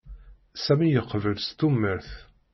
Sami yeqbel s tumert.